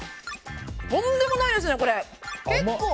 とんでもないですね、これ。